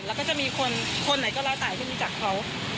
แล้วก็จะมีคนไหนก็ละตายขึ้นจากเขา